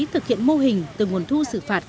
thực hiện mô hình từ nguồn thu xử phạt